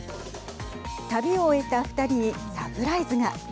旅を終えた２人にサプライズが。